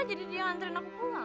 jadi dia nantriin aku pulang